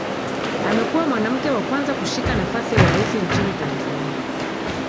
Amekuwa mwanamke wa kwanza kushika nafasi ya urais nchini Tanzania